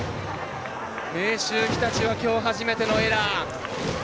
明秀日立はきょう初めてのエラー。